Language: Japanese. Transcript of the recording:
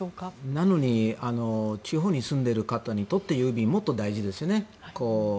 なのに地方に住んでいる方にとって郵便はもっと大事ですよね。